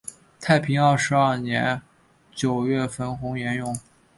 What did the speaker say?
太平二十二年九月冯弘沿用。